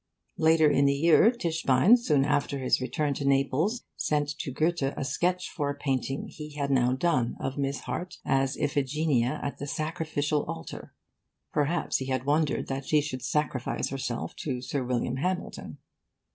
Later in the year, Tischbein, soon after his return to Naples, sent to Goethe a sketch for a painting he had now done of Miss Harte as Iphigenia at the Sacrificial Altar. Perhaps he had wondered that she should sacrifice herself to Sir William Hamilton....